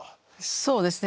そうですね。